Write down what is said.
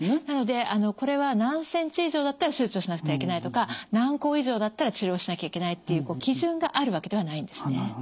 なのでこれは何センチ以上だったら手術をしなくてはいけないとか何個以上だったら治療しなきゃいけないっていう基準があるわけではないんですね。